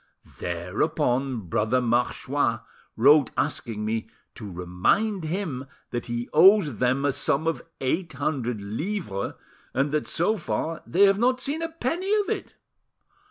Thereupon Brother Marchois wrote asking me to remind him that he owes them a sum of eight hundred livres, and that, so far, they have not seen a penny of it."